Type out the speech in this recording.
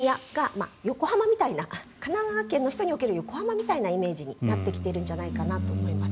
これが大宮の場合埼玉県の人にとって見たら大宮が横浜みたいな神奈川県の人における横浜みたいなイメージになってきているんじゃないかなと思います。